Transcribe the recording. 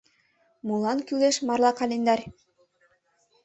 Молан кӱлеш марла календарь;?